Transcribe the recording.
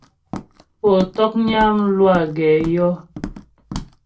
Pó ntɔ̌knyə́ a mlwâ gɛ yɔ́.